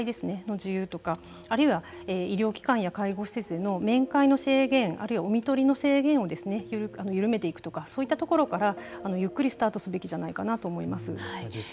自由とかあるいは医療機関や介護施設の面会の制限あるいは、お看取りの制限を緩めていくとかそういったところからゆっくりスタートすべき実際